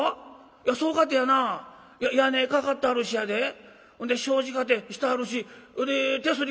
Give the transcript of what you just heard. いやそうかてやな屋根かかってはるしやでほんで障子かてしてはるし手すりかてはまってるがな」。